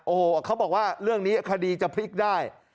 โอ้โหเขาบอกว่าเรื่องนี้คดีจะพลิกได้